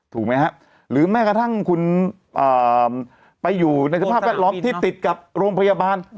ถูกไหมครับหรือแม้กระทั่งคุณไปอยู่ในสภาพแวดล้อมที่ติดกับโรงพยาบาล